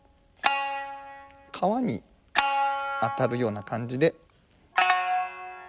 皮に当たるような感じで。